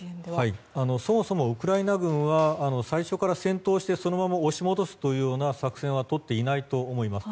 そもそもウクライナ軍は最初から戦闘してそのまま押し戻すという作戦はとっていないと思います。